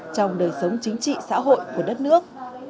trong đời sống chính trị xã hội của đất nước